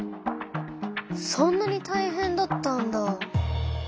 そんなにたいへんだったんだ。